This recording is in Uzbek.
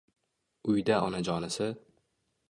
Uyda onajonisi